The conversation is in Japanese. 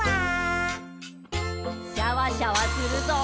シャワシャワするぞ。